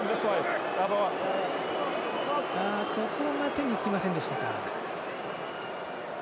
手につきませんでしたか。